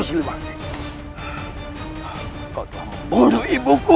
kau yang membunuh ibuku